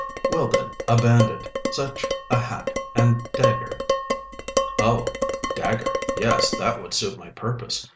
"Well, then, a bandit. Such a hat and dagger!" Oh! dagger! Yes, that would suit my purpose.